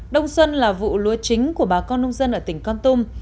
đông xuân là vụ lúa chính của bà con nông dân ở tỉnh con tum